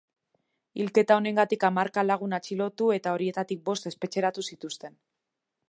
Hilketa honengatik hamarka lagun atxilotu eta horietatik bost espetxeratu zituzten.